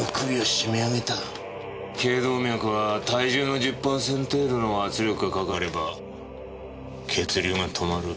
頸動脈は体重の１０パーセント程度の圧力が掛かれば血流が止まる。